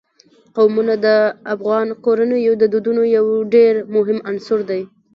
قومونه د افغان کورنیو د دودونو یو ډېر مهم عنصر دی.